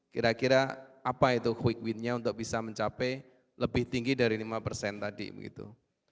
kira kira apa itu quick win nya untuk bisa mencapai lebih tinggi dari lima persen tadi begitu